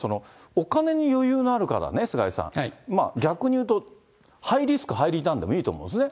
お金に余裕がある方ね、菅井さん、逆にいうと、ハイリスクハイリターンでもいいと思うんですね。